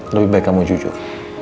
lebih baik kamu jujur